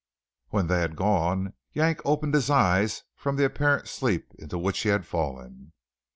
When they had gone Yank opened his eyes from the apparent sleep into which he had fallen.